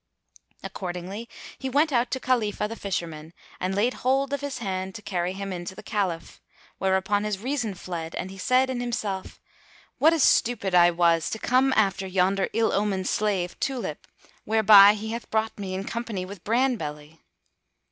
Accordingly he went out to Khalifah the Fisherman and laid hold of his hand to carry him in to the Caliph, whereupon his reason fled and he said in himself, "What a stupid I was to come after yonder ill omened slave, Tulip, whereby he hath brought me in company with Bran belly!"